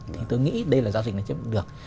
thì tôi nghĩ đây là giao dịch này chưa được